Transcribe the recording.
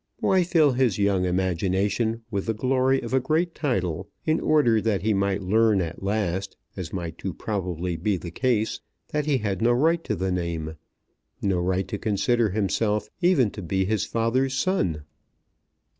Why fill his young imagination with the glory of a great title in order that he might learn at last, as might too probably be the case, that he had no right to the name, no right to consider himself even to be his father's son?